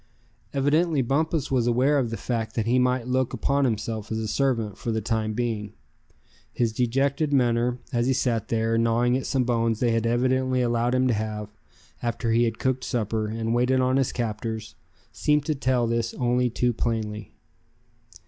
Evidently Bumpus was aware of the fact that he might look upon himself as a servant, for the time being. His dejected manner, as he sat there, gnawing at some bones they had evidently allowed him to have, after he had cooked supper, and waited on his captors, seemed to tell this only too plainly.